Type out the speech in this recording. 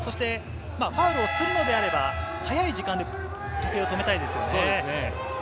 ファウルをするのであれば早い時間で時計を止めたいですよね。